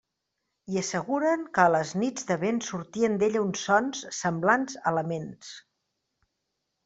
I asseguren que a les nits de vent sortien d'ella uns sons, semblants a laments.